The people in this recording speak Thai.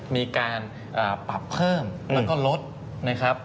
มีการปรับเพิ่มแล้วก็ลดนะครับ